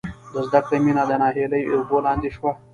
د زدکړې مینه د ناهیلۍ اوبو لاندې شوه